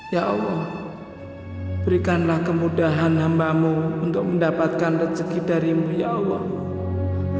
ya allah berikanlah kemudahan hambamu untuk mendapatkan rezeki darimu ya allah